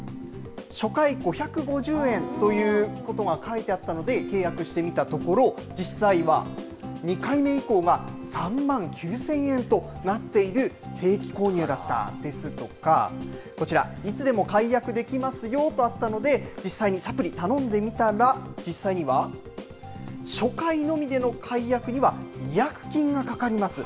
初回５５０円ということが書いてあったので、契約してみたところ、実際は２回目以降が３万９０００円となっている定期購入だったですとか、こちら、いつでも解約できますよとあったので、実際にサプリ頼んでみたら、実際には、初回のみでの解約には、違約金がかかります。